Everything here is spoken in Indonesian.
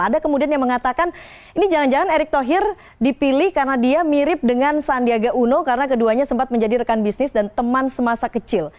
ada kemudian yang mengatakan ini jangan jangan erick thohir dipilih karena dia mirip dengan sandiaga uno karena keduanya sempat menjadi rekan bisnis dan teman semasa kecil